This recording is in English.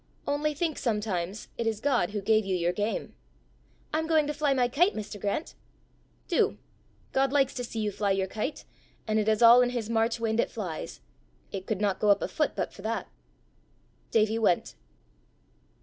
Only think sometimes it is God who gave you your game." "I'm going to fly my kite, Mr. Grant." "Do. God likes to see you fly your kite, and it is all in his March wind it flies. It could not go up a foot but for that." Davie went.